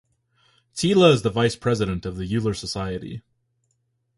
Thiele is the vice president of the Euler Society.